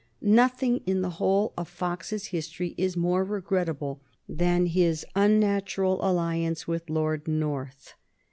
Nothing in the whole of Fox's history is more regrettable than his unnatural alliance with Lord North.